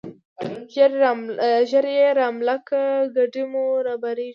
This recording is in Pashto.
ژر يې را ملا که ، کډي مو بارېږي.